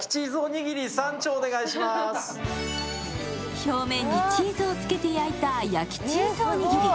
表面にチーズをつけて焼いた焼きチーズおにぎり。